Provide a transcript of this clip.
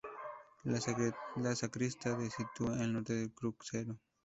La sacristía de sitúa al norte del crucero.